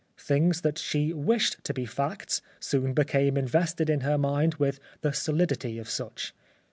Things that she wished to be facts soon became invested in her mind with the solidity of such.